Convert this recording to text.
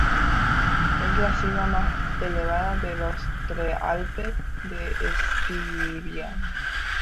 Es la cima más elevada de los Prealpes de Estiria.